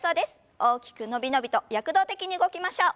大きく伸び伸びと躍動的に動きましょう。